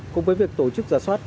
cùng với việc tổ chức giả soát